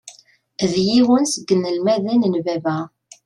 D yiwen seg inelmaden n baba.